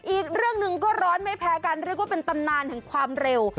อีกเรื่องหนึ่งก็ร้อนไม่แพ้กันเรียกว่าเป็นตำนานแห่งความเร็ว